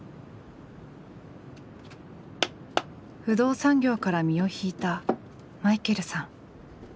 不動産業から身を引いたマイケルさん。